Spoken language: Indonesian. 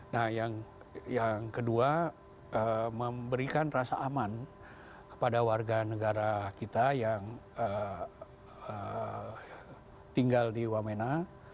nah yang kedua memberikan rasa aman kepada warga negara kita yang tinggal di wamena